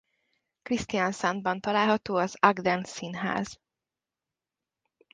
Kristiansandban található az Agden Színház.